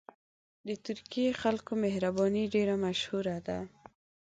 د ترکي خلکو مهرباني ډېره مشهوره ده.